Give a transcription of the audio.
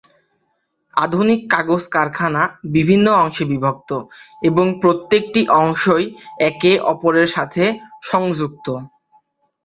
আধুনিক কাগজ কারখানা বিভিন্ন অংশে বিভক্ত এবং প্রত্যেকটা অংশই একে অপরের সাথে সংযুক্ত।